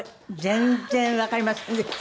全然わかりませんでした。